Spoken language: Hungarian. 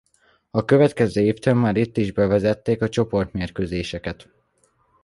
A következő évtől már itt is bevezették a csoportmérkőzéseket.